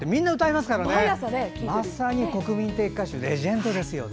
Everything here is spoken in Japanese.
まさに国民的歌手レジェンドですよね。